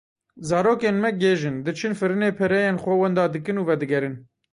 Zarokên me gêj in; diçin firinê pereyên xwe wenda dikin û vedigerin.